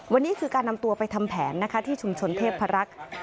วันนี้คือการนำตัวไปทำแผนนะคะที่ชุมชนเทพรักษ์